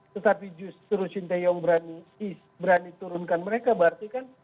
tetapi justru sinteyong berani turunkan mereka berarti kan